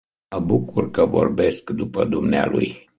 Mă bucur că vorbesc după dumnealui.